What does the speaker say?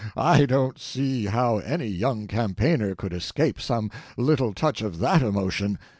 I don't see how any young campaigner could escape some little touch of that emotion."